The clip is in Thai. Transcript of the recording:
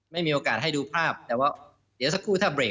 ไม่มีโอกาสให้ดูภาพแต่ว่าเดี๋ยวสักครู่ถ้าเบรก